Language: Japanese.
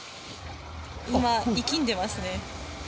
今息んでますね。